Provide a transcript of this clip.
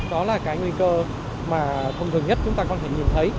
đó là cái nguy cơ mà thông thường nhất chúng ta có thể nhìn thấy